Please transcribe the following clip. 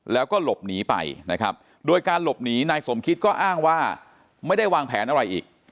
แล้วก็หลบหนีไปนะครับโดยการหลบหนีนายสมคิดก็อ้างว่าไม่ได้วางแผนอะไรอีก